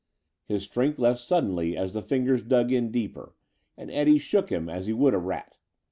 His strength left suddenly as the fingers dug in deeper, and Eddie shook him as he would a rat.